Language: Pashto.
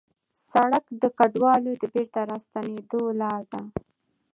سړک د کډوالو د بېرته راستنېدو لاره ده.